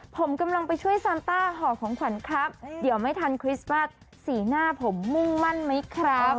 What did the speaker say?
ผมกำลังไปช่วยซานต้าห่อของขวัญครับเดี๋ยวไม่ทันคริสต์มัสสีหน้าผมมุ่งมั่นไหมครับ